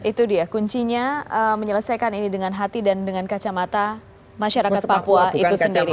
itu dia kuncinya menyelesaikan ini dengan hati dan dengan kacamata masyarakat papua itu sendiri